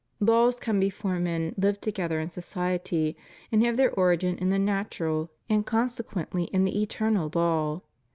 Laws come before men live together in society, and have their origin in the natural, and consequently in the eternal, law.